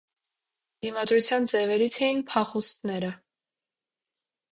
Դիմադրության ձևերից էին փախուստները։